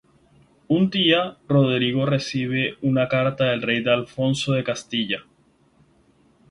Un día, Rodrigo recibe una carta del rey Alfonso de Castilla.